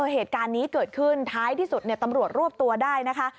เหตุการณ์นี้เกิดขึ้นท้ายที่สุดตำรวจรวบตัวได้นะคะ